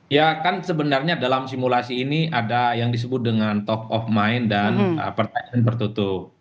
ya kan sebenarnya dalam simulasi ini ada yang disebut dengan top of mind dan pertanyaan tertutup